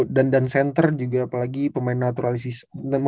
dan center juga apalagi pemain naturalisasi